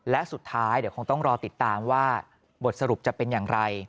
และสุดท้ายเดี๋ยวคงต้องรอติดตามว่าบทสรุปจะเป็นอย่างไร